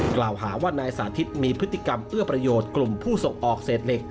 กล่าวหาว่านายสาธิตมีพฤติกรรมเอื้อประโยชน์กลุ่มผู้ส่งออกเศษเหล็ก